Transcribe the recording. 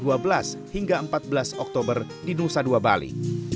dari empat belas maret hingga empat belas oktober di nusa dua bali